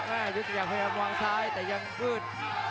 ที่จะพยายามว้างซ้ายแต่ยังคลื่น